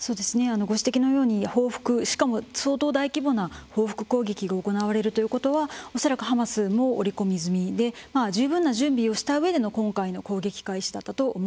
ご指摘のように報復しかも相当大規模な報復攻撃が行われるということは恐らくハマスも織り込み済みで十分な準備をしたうえでの今回の攻撃開始だったと思われます。